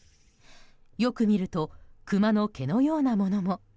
よく見るとクマの毛のようなものも。